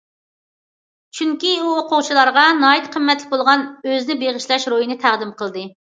چۈنكى ئۇ ئوقۇغۇچىلارغا ناھايىتى قىممەتلىك بولغان ئۆزىنى بېغىشلاش روھىنى تەقدىم قىلدى.